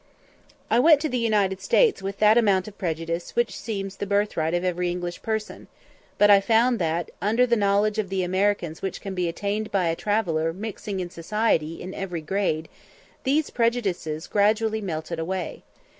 I went to the States with that amount of prejudice which seems the birthright of every English person, but I found that, under the knowledge of the Americans which can be attained by a traveller mixing in society in every grade, these prejudices gradually melted away.